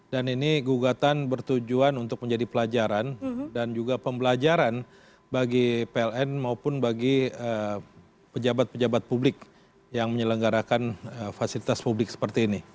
dan ini gugatan bertujuan untuk menjadi pelajaran dan juga pembelajaran bagi pln maupun bagi pejabat pejabat publik yang menyelenggarakan fasilitas publik seperti ini